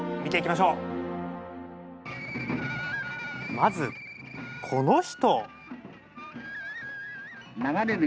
まずこの人。